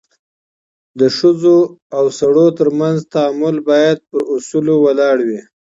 د ښځو او سړو ترمنځ تعامل بايد پر اصولو ولاړ وي.